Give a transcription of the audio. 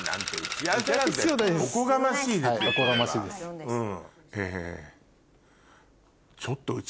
はいおこがましいです。え。